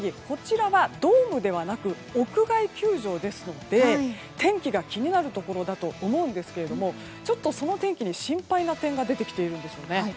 こちらはドームではなく屋外球場ですので天気が気になるところだと思うんですけれどもちょっとその天気に心配な点が出てきています。